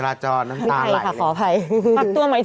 ปรับตัวหมายถึงว่ายังเก็บราคาเก่าอยู่